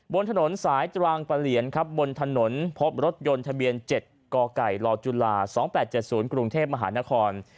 บนถนนสายตรางปะเหลียนครับบนถนนพบรถยนต์ทะเบียน๗กไก่ลจุฬา๒๘๗๐กรุงเทพมหานคร